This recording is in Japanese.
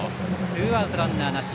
ツーアウトランナーなし。